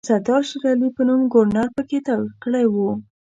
د سردار شېرعلي په نوم ګورنر پکې ټاکلی وو.